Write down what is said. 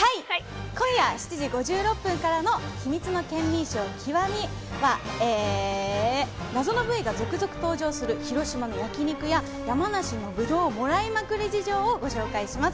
今夜７時５６分からの『ケンミンＳＨＯＷ極』は謎の部位が続々登場する広島の焼肉や、山梨のブドウをもらいまくり事情をご紹介します。